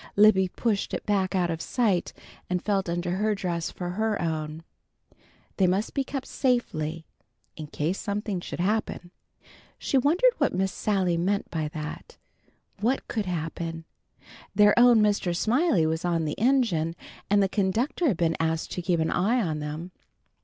Libby pushed it back out of sight and felt under her dress for her own. They must be kept safely, "in case something should happen." She wondered what Miss Sally meant by that. What could happen? Their own Mr. Smiley was on the engine, and the conductor had been asked to keep an eye on them.